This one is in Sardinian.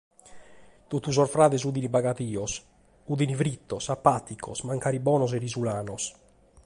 Totu sos frades fiant bagadios; fiant fritos, apàticos, mancari bonos e risulanos.